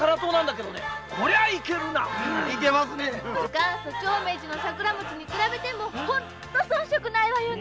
元祖長命寺の桜餅に比べても遜色ないわね。